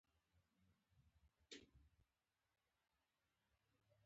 زه به د ماښام له خوا مطالعه وکړم.